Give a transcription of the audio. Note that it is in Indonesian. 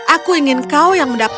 aku akan mengambil harta yang berharga